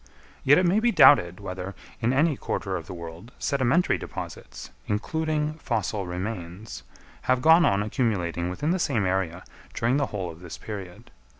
Yet it may be doubted whether, in any quarter of the world, sedimentary deposits, including fossil remains, have gone on accumulating within the same area during the whole of this period.